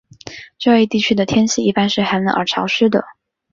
这一地区的天气一般是寒冷而潮湿的。